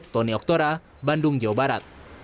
tony oktora bandung jawa barat